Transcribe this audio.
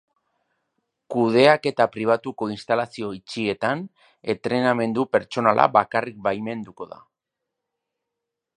Kudeaketa pribatuko instalazio itxietan, entrenamendu pertsonala bakarrik baimenduko da.